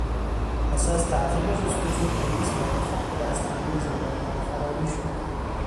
پس از تعقیب و جستجو، پلیس موفق به دستگیری زندانیان فراری شد.